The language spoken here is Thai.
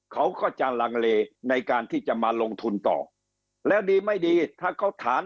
เขาก็จะลังเลในการที่จะมาลงทุนต่อแล้วดีไม่ดีถ้าเขาถาม